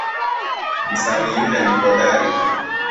Msanii yule ni hodari